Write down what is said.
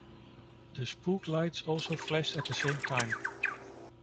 The Spooklights also flashed at the same time.